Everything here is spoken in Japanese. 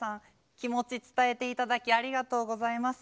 気持ち伝えて頂きありがとうございます。